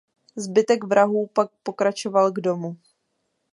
Zbytek vrahů pak pokračoval k domu.